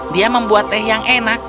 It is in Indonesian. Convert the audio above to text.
dia membuat teh yang enak